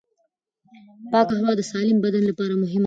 پاکه هوا د سالم بدن لپاره مهمه ده.